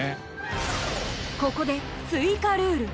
ここで追加ルール。